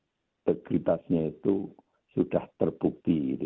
yang integritasnya itu sudah terbukti